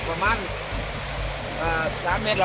พวกมันกำลังพูดได้